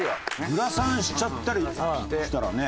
グラサンしちゃったりしたらね。